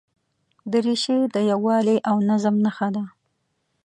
دریشي د یووالي او نظم نښه ده.